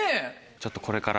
ちょっとこれから。